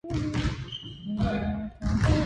好き